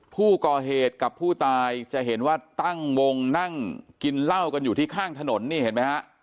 ผู้ก่อเหตุกับผู้ตายจะเห็นว่าตั้งวงนั่งกินเหล้ากันอยู่ที่ข้างถนนนี่เห็นไหมฮะ